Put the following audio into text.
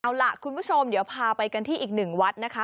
เอาล่ะคุณผู้ชมเดี๋ยวพาไปกันที่อีกหนึ่งวัดนะคะ